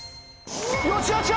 よしよし！